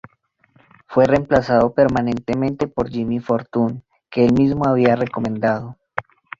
Fue remplazado permanentemente por Jimmy Fortune, que el mismo había recomendado.